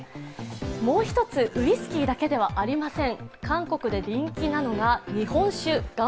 もう一つ、ウイスキーだけではありません。